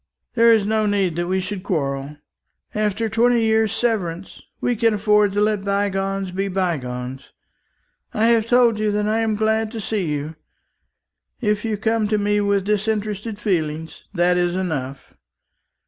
There is no need that we should quarrel. After twenty years' severance, we can afford to let bygones be bygones. I have told you that I am glad to see you. If you come to me with disinterested feelings, that is enough.